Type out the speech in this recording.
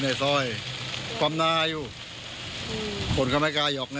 เอาได้เอากำลัง